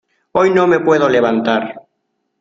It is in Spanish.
Hoy no me puedo levantar.